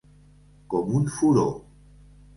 Com un furó.